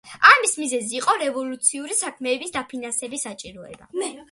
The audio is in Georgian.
ამის მიზეზი იყო რევოლუციური საქმეების დაფინანსების საჭიროება.